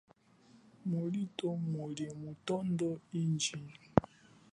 Mulito muli mitondo inji.